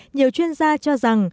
nhiều chuyên gia cho rằng